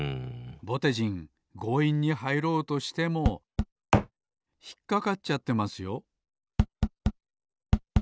ぼてじんごういんにはいろうとしてもひっかかっちゃってますよ